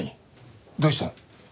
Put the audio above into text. どうしたの？